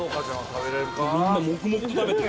・みんな黙々と食べてる。